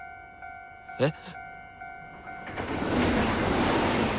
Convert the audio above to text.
えっ？